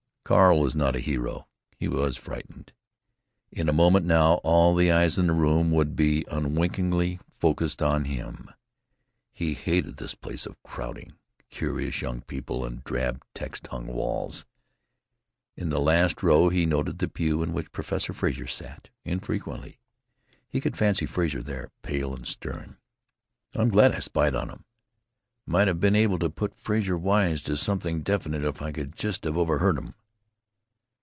Carl was not a hero. He was frightened. In a moment now all the eyes in the room would be unwinkingly focused on him. He hated this place of crowding, curious young people and drab text hung walls. In the last row he noted the pew in which Professor Frazer sat (infrequently). He could fancy Frazer there, pale and stern. "I'm glad I spied on 'em. Might have been able to put Frazer wise to something definite if I could just have overheard 'em."